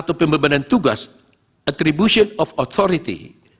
atau pembebanan tugas atribution of authority